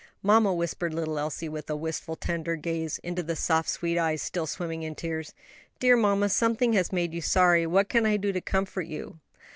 "Mamma," whispered little Elsie, with a wistful, tender gaze into the soft sweet eyes still swimming in tears, "dear mamma, something has made you sorry. What can I do to comfort you?"